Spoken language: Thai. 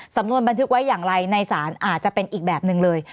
สำนวนบันทึกไว้อย่างไรในศาลอาจจะเป็นอีกแบบหนึ่งเลย